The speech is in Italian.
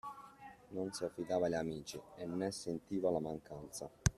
Non si affidava agli amici, e ne sentiva la mancanza.